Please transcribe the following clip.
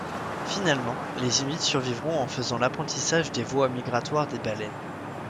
Finalement, les Inuits survivront en faisant l'apprentissage des voies migratoires des baleines.